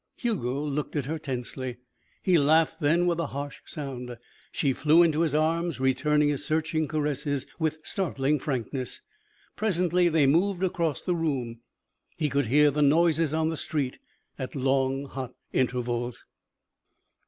Hugo looked at her tensely. He laughed then, with a harsh sound. She flew into his arms, returning his searching caresses with startling frankness. Presently they moved across the room. He could hear the noises on the street at long, hot intervals.